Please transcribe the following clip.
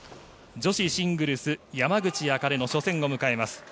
女子シングルス、山口茜の初戦を迎えます。